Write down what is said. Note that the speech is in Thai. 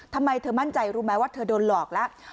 ทำไมเธอมั่นใจรู้ไหมว่าเธอโดนหลอกแล้ว